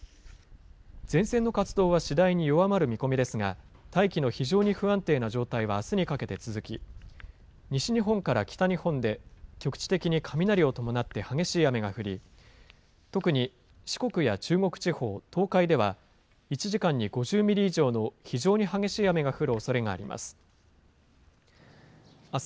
前線の活動は次第に弱まる見込みですが、大気の非常に不安定な状態はあすにかけて続き、西日本から北日本で局地的に雷を伴って激しい雨が降り、特に四国や中国地方、東海では１時間に５０ミリ以上の非常に激しい雨が降るおそれがあります。